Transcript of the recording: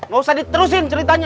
gak usah diterusin ceritanya